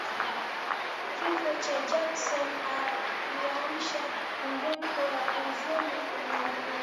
Kifo cha Jackson kiliamsha mihemko ya huzuni ulimwenguni